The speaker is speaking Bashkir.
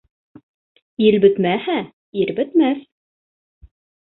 Ил бөтмәһә, ир бөтмәҫ.